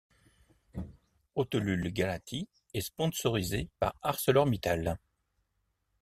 Oțelul Galați est sponsorisé par Arcelor Mittal.